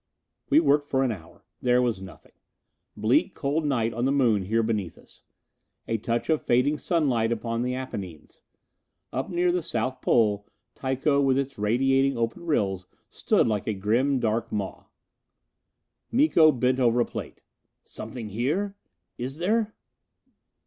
We worked for an hour. There was nothing. Bleak cold night on the Moon here beneath us. A touch of fading sunlight upon the Apennines. Up near the South Pole, Tycho with its radiating open rills stood like a grim dark maw. Miko bent over a plate. "Something here? Is there?"